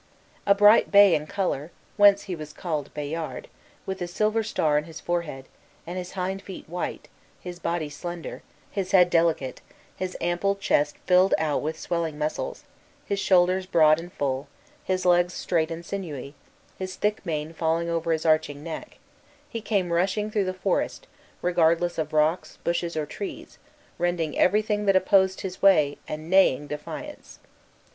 A bright bay in color (whence he was called Bayard), with a silver star in his forehead, and his hind feet white, his body slender, his head delicate, his ample chest filled out with swelling muscles, his shoulders broad and full, his legs straight and sinewy, his thick mane falling over his arching neck, he came rushing through the forest, regardless of rocks, bushes, or trees, rending everything that opposed his way, and neighing defiance.